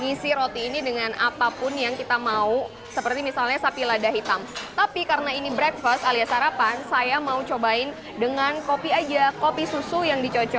jadi kita bisa ngisi roti ini dengan apapun yang kita mau seperti misalnya sapi lada hitam tapi karena ini breakfast alias sarapan saya mau cobain dengan kopi aja kopi susu yang dicocol